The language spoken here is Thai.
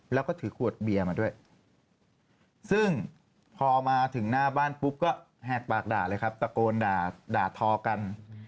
แล้วก็ถือขวดเบียร์มาด้วยซึ่งพอมาถึงหน้าบ้านปุ๊บก็แหกปากด่าเลยครับตะโกนด่าทอกัน